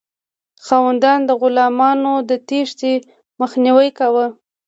خاوندانو د غلامانو د تیښتې مخنیوی کاوه.